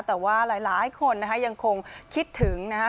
แต่ว่าหลายคนนะคะยังคงคิดถึงนะฮะ